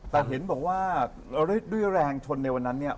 แต่เห็นบอกว่าด้วยแรงชนในวันนั้นเนี่ย